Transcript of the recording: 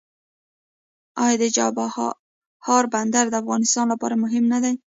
آیا د چابهار بندر د افغانستان لپاره مهم نه دی؟